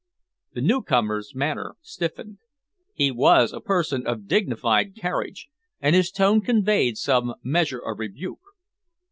The newcomer's manner stiffened. He was a person of dignified carriage, and his tone conveyed some measure of rebuke.